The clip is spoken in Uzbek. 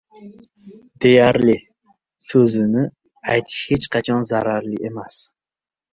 • “Deyarli” so‘zini aytish hech qachon zararli emas.